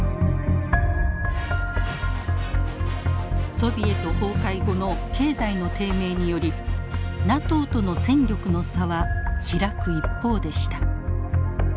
ソビエト崩壊後の経済の低迷によりＮＡＴＯとの戦力の差は開く一方でした。